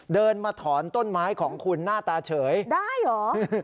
เดินมาถอนต้นไม้ของคุณหน้าตาเฉยได้เหรอ